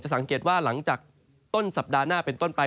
สังเกตว่าหลังจากต้นสัปดาห์หน้าเป็นต้นไป